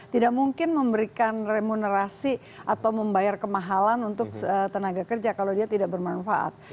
tidak mungkin memberikan remunerasi atau membayar kemahalan untuk tenaga kerja kalau dia tidak bermanfaat